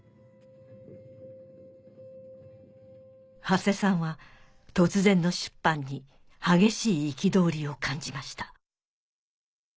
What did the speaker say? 土師さんは突然の出版に激しい憤りを感じました